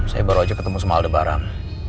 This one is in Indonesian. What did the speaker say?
saya baru aja ketemu sama lebaran